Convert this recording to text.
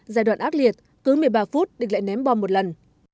giai đoạn ác liệt cứ một mươi ba phút địch lại ném bom một lần